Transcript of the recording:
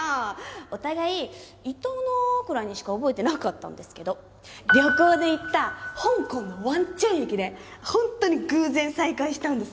お互い「いたな」くらいにしか覚えてなかったんですけど旅行で行った香港の湾仔駅でホントに偶然再会したんです